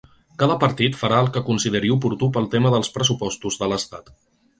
Cada partit farà el que consideri oportú pel tema dels pressupostos de l’estat.